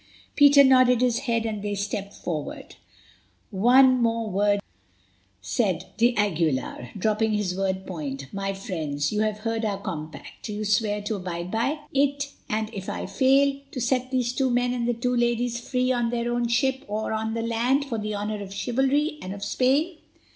Peter nodded his head, and they stepped forward. "One more word," said d'Aguilar, dropping his sword point. "My friends, you have heard our compact. Do you swear to abide by it, and, if I fall, to set these two men and the two ladies free on their own ship or on the land, for the honour of chivalry and of Spain?"